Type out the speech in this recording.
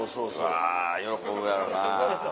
うわ喜ぶやろな。